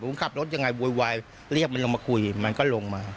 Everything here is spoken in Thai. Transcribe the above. ผมขับรถยังไงโวยวายเรียกมันลงมาคุยมันก็ลงมา